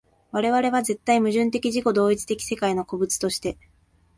我々は絶対矛盾的自己同一的世界の個物として、